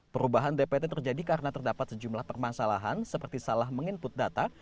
perubahan dpt terjadi karena terdapat sejumlah permasalahan seperti salah meng input data